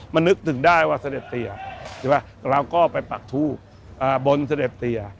มันนึกถึงได้ว่าเสด็จเตียใช่ไหมเราก็ไปปักทูบบนเสด็จเตีย